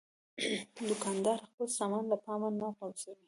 دوکاندار خپل سامان له پامه نه غورځوي.